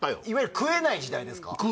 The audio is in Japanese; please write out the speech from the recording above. いわゆる食えない時代ですか？